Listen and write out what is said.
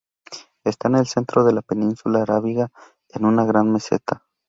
Está en el centro de la península arábiga, en una gran meseta.